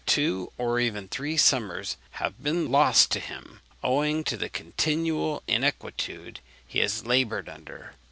Two, or even three, summers have been lost to him, owing to the continual inquietude he has laboured under.